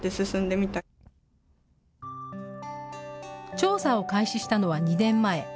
調査を開始したのは２年前。